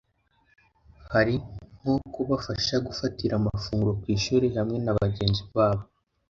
Hari nko kubafasha gufatira amafunguro ku ishuri hamwe na bagenzi babo